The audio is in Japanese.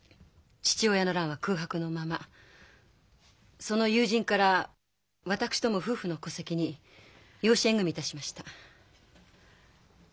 父親の欄は空白のままその友人から私ども夫婦の戸籍に養子縁組みいたしました。